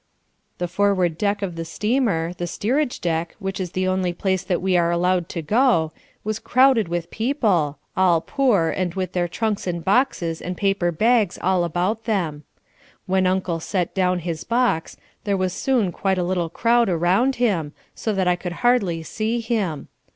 The forward deck of the steamer, the steerage deck, which is the only place that we are allowed to go, was crowded with people, all poor and with their trunks and boxes and paper bags all round them. When Uncle set down his box, there was soon quite a little crowd around him, so that I could hardly see him.